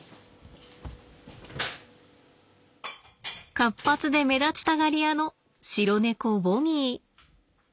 活発で目立ちたがり屋の白猫ボニー。